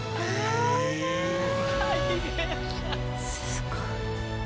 すごい。